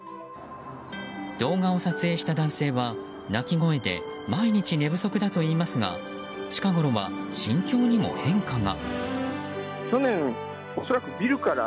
動画を撮影した男性は鳴き声で毎日寝不足だといいますが近ごろは心境にも変化が。